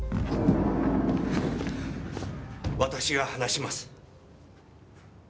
私が話します。